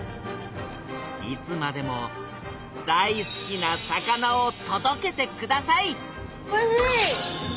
いつまでも大好きな魚をとどけてくださいおいＣ！